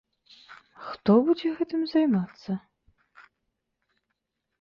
Хто будзе гэтым займацца?